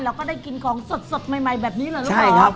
แล้วก็ได้กินของสดสดใหม่แบบนี้เหรอรึเปล่า